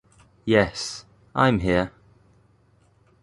Yes, I'm here.